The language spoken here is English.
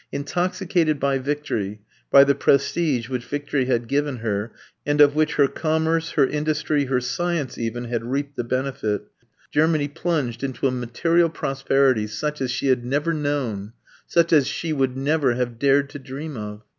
Intoxicated by victory, by the prestige which victory had given her, and of which her commerce, her industry, her science even, had reaped the benefit, Germany plunged into a material prosperity such as she had never known, such as she would never have dared to dream of.